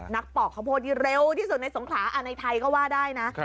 นักปอกของเขาพูดอยู่เร็วที่สุดในสงขาในไทยก็ว่าได้นะ